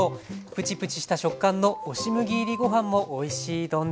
プチプチした食感の押し麦入りご飯もおいしい丼です。